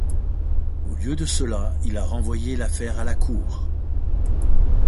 Au lieu de cela, il a renvoyé l'affaire à la cour.